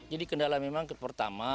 jadi kendala memang pertama